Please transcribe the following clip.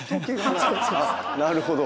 なるほど。